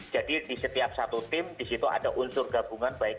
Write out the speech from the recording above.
jadi di setiap satu tim di situ ada unsur gabungan